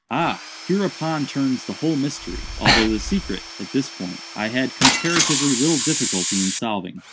_" "Ah, hereupon turns the whole mystery; although the secret, at this point, I had comparatively little difficulty in solving.